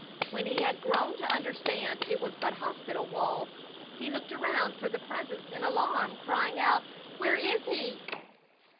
When he had grown to understand it was but hospital walls, he looked around for the Presence in alarm, crying out, "Where is He?"